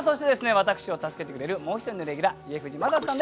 私を助けてくれるもう一人のレギュラー家藤正人さんです